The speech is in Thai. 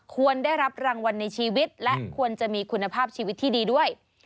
ควรได้รับรางวัลในชีวิตและควรจะมีคุณภาพชีวิตที่ดีด้วย